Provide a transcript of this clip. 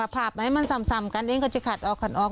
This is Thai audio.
ภาพไหนมันซ่ำกันเองก็จะขัดออกขัดออก